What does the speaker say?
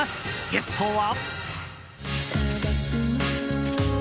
ゲストは。